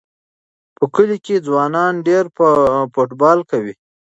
په کلي کې ځوانان ډېر فوټبال کوي.